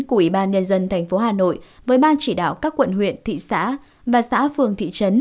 của ủy ban nhân dân tp hà nội với ban chỉ đạo các quận huyện thị xã và xã phường thị trấn